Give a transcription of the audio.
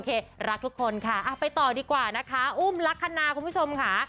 รักทุกคนค่ะไปต่อดีกว่านะคะอุ้มลักษณะคุณผู้ชมค่ะ